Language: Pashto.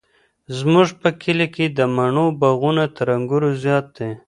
زموږ په کلي کې د مڼو باغونه تر انګورو زیات دي.